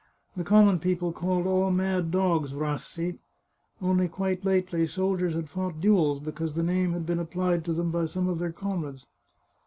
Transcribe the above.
The common people called all mad dogs Rassi; only quite lately soldiers had fought duels because the name had been applied to them by some of their comrades.